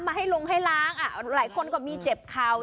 ให้ลงให้ล้างหลายคนก็มีเจ็บเข่า